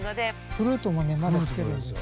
フルートもねまだ吹けるんですよ。